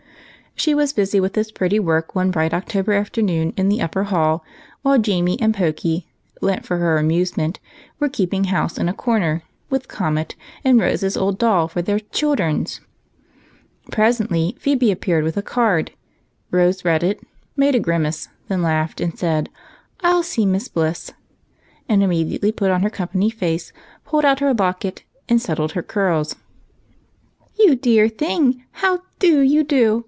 She was busy with this pretty work one bright 166 EIGHT COUSINS. October afternoon, all nicely established on her sofa in the upper hall, while Jamie and Pokey (lent for her amusement) were keeping house in a corner, with Comet and Rose's old doll for their " childerns." Presently, Phebe appeared with a card. Rose read it, made a grimace, then laughed and said, —" I '11 see Miss Bliss," and immediately put on her company face, pulled out her locket, and settled her curls. "You dear thing, how do you do?